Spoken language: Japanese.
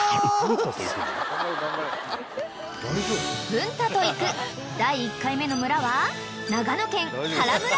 ［文太と行く第１回目の村は］